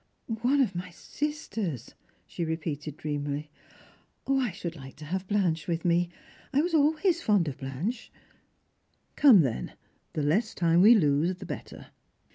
" One of my sisters," she rejoeated dreamily. " I should like to have Blanche with me. I was always fond of Blanche." " Come, then, the less time we lose the better."